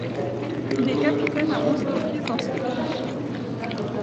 Il est capitaine à onze reprises dans ce format.